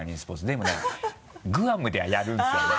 でもねグアムではやるんですよね。